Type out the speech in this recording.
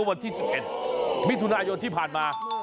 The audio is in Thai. วันที่๑๑มิถุนายนที่ผ่านมา